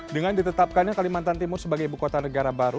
dengan ditetapkannya kalimantan timur sebagai ibu kota negara baru